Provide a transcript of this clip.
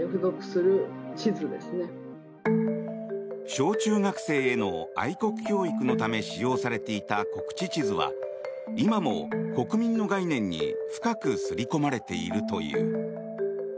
小中学生への愛国教育のため使用されていた国恥地図は今も国民の概念に深く刷り込まれているという。